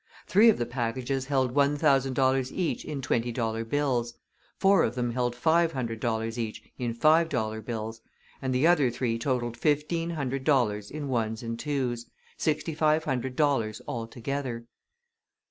Three of the packages held one thousand dollars each in twenty dollar bills, four of them held five hundred dollars each in five dollar bills, and the other three totalled fifteen hundred dollars in ones and twos sixty five hundred dollars altogether.